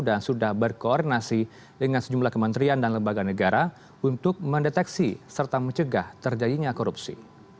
dan sudah berkoordinasi dengan sejumlah kementerian dan lembaga negara untuk mendeteksi serta mencegah terjadinya korupsi